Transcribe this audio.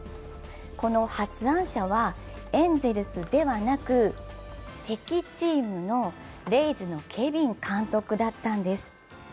この発案者はエンゼルスではなく敵チーム・レイズのケビン監督だったんです。